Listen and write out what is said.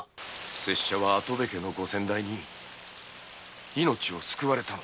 せっしゃは跡部家のご先代に命を救われたのだ。